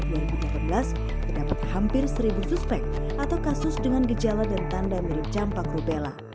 terdapat hampir seribu suspek atau kasus dengan gejala dan tanda mirip campak rubella